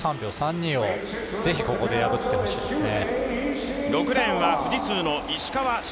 １３．３２をぜひここで破ってほしいですね。